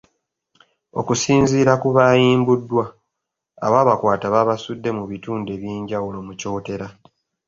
Okusinziira ku baayimbuddwa, abaabakwata babasudde mu bitundu ebyenjawulo mu Kyotera.